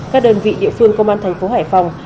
các đơn vị địa phương công an thành phố hải phòng